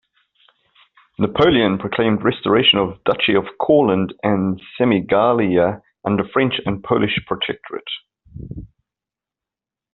Napoleon proclaimed restoration of Duchy of Courland and Semigallia under French and Polish protectorate.